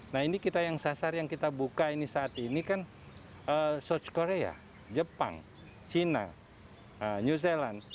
nah ini kita yang sasar yang kita buka ini saat ini kan south korea jepang china new zealand